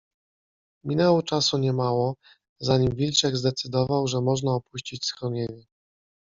Minęło czasu niemało, zanim wilczek zdecydował, że można opuścić schronienie.